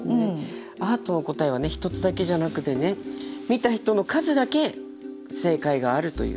アートの答えはね一つだけじゃなくてね見た人の数だけ正解があるという。